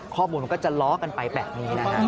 ข้อมูลมันก็จะล้อกันไปแบบนี้นะครับ